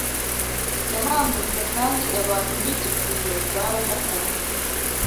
yahangutse kandi abantu b’icyo gihe barafataga